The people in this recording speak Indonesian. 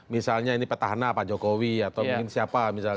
misalnya ini petahana pak jokowi atau mungkin siapa misalnya